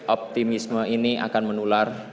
optimisme ini akan menular